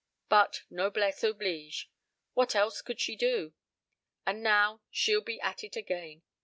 But noblesse oblige. What else could she do? And now, she'll be at it again.